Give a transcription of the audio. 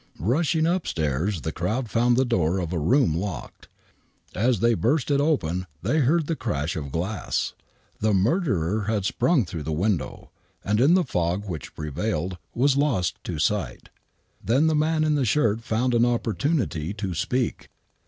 Rushing upstairs, the crowd found the door of a room locked. As they burst it open they heard the crash of glass. The murderer had sprung through the wind». \V, and in the fog which prevailed was lost to sight. Then the man in the shirt found an opportunity to speak.